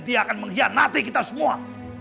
dia akan mengkhianati kita semua